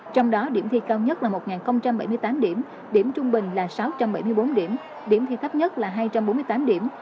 trong đó điểm thi cao nhất là một bảy mươi tám điểm điểm trung bình là sáu trăm bảy mươi bốn điểm điểm thi thấp nhất là hai trăm bốn mươi tám điểm